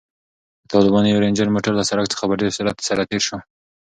د طالبانو یو رنجر موټر له سړک څخه په ډېر سرعت سره تېر شو.